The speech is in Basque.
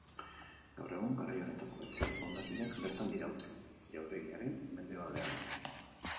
Gaur egun garai honetako etxeen hondakinak bertan diraute, jauregiaren mendebaldean.